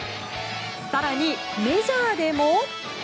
更に、メジャーでも。